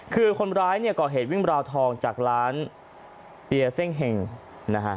คือคนร้ายเนี่ยก่อเหตุวิ่งราวทองจากร้านเตียเซ่งเห็งนะฮะ